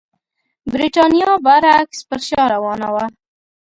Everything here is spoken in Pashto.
برېټانیا برعکس پر شا روانه وه.